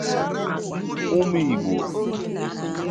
ụmụ Igbo